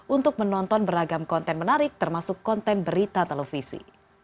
untuk menonton beragam konten menarik termasuk konten berita televisi